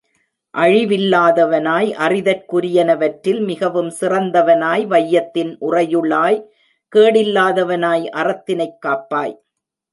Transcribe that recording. அழிவில்லாதவனாய், அறிதற்குரியனவற்றில் மிகவும் சிறந்தவனாய், வையத்தின் உறையுளாய், கேடில்லாதவனாய், அறத்தினைக் காப்பாய்.